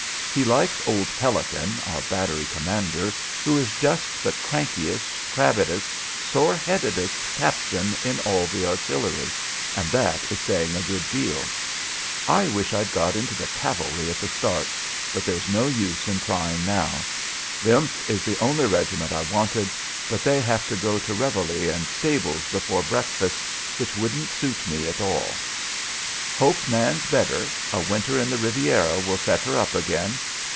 He likes old Pelican, our battery commander, who is just the crankiest, crabbedest, sore headedest captain in all the artillery, and that is saying a good deal. I wish I'd got into the cavalry at the start; but there's no use in trying now. The th is the only regiment I wanted; but they have to go to reveille and stables before breakfast, which wouldn't suit me at all. "Hope Nan's better. A winter in the Riviera will set her up again.